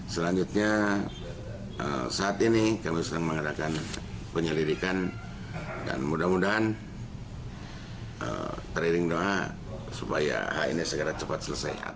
selanjutnya saat ini kami sedang mengadakan penyelidikan dan mudah mudahan teriring doa supaya hal ini segera cepat selesai